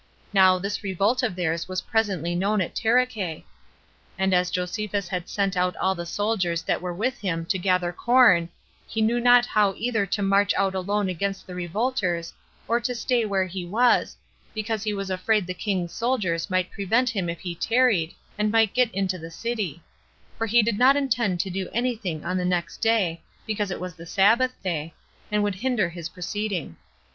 Now this revolt of theirs was presently known at Taricheae; and as Josephus had sent out all the soldiers that were with him to gather corn, he knew not how either to march out alone against the revolters, or to stay where he was, because he was afraid the king's soldiers might prevent him if he tarried, and might get into the city; for he did not intend to do any thing on the next day, because it was the sabbath day, and would hinder his proceeding.